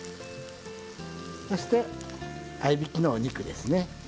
そして合いびきのお肉ですね。